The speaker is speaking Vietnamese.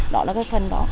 đó là cái phần đó